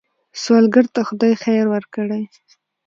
سوالګر ته خدای خیر ورکړي